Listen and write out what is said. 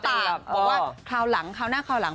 บอกว่าคราวหลังคราวหน้าคราวหลัง